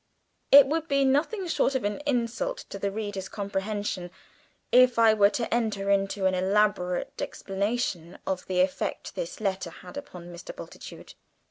It would be nothing short of an insult to the reader's comprehension, if I were to enter into an elaborate explanation of the effect this letter had upon Mr. Bultitude.